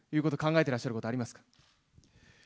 てらっしゃること、ありますか。